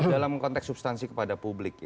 dalam konteks substansi kepada publik